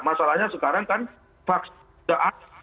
masalahnya sekarang kan vaksin sudah ada